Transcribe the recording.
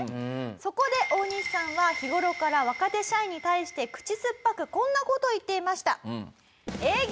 そこでオオニシさんは日頃から若手社員に対して口酸っぱくこんな事を言っていました。